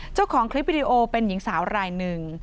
เจ้าของคลิปวิดีโอเป็นหญิงสาวรายหนึ่ง